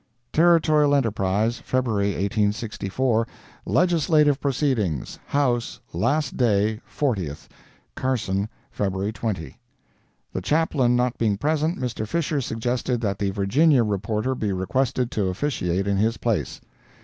Territorial Enterprise, February 1864 LEGISLATIVE PROCEEDINGS HOUSE—LAST DAY—FORTIETH CARSON, February 20 The Chaplain not being present, Mr. Fisher suggested that the Virginia reporter be requested to officiate in his place.